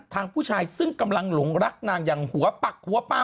ผู้ชายซึ่งกำลังหลงรักนางอย่างหัวปักหัวปลา